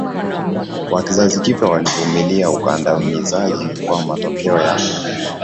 wa kizazi kipya walivumilia ukandamizaji kama matokeo ya